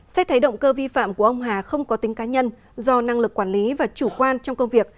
xét thấy động cơ vi phạm của ông hà không có tính cá nhân do năng lực quản lý và chủ quan trong công việc